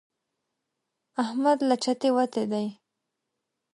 احمد له چتې وتی دی.